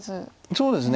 そうですね。